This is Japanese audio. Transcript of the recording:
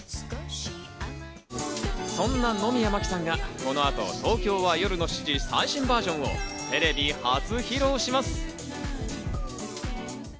そんな野宮真貴さんがこの後『東京は夜の七時』最新バージョンをテレビ初披露します。